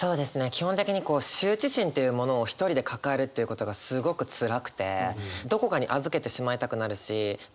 基本的にこう羞恥心っていうものを一人で抱えるということがすごくつらくてどこかに預けてしまいたくなるしま